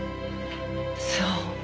そう。